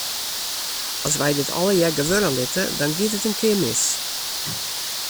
As wy dit allegear gewurde litte, dan giet it in kear mis.